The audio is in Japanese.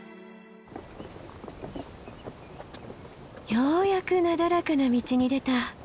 ようやくなだらかな道に出た。